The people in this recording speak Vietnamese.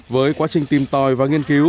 với quá trình tìm tòi và nghiên cứu